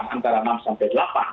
antara enam sampai delapan